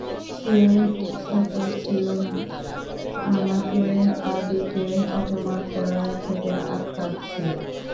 সে হিংসা করছিল না, আমাকে আবিকে অপমান করা থেকে আটকাচ্ছিল।